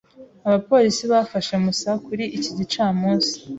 Abapolisi bafashe Musa kuri iki gicamunsi.